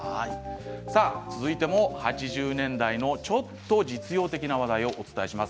続いても８０年代の、ちょっと実用的な話題をお伝えします。